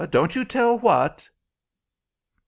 Don't you tell what!"